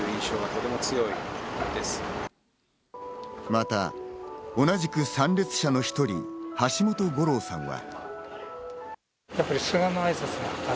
また同じく参列者の１人、橋本五郎さんは。